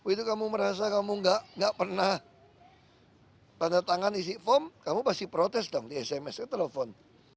itu kamu merasa kamu gak pernah tanda tangan isi form kamu pasti protes dong di sms kamu